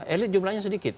elite jumlahnya sedikit